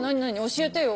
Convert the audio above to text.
教えてよ。